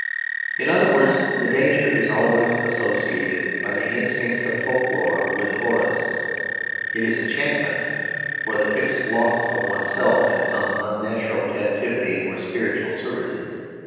In other words, the danger is one always associated, by the instinct of folk lore, with forests; it is enchantment, or the fixed loss of oneself in some unnatural captivity or spiritual servitude.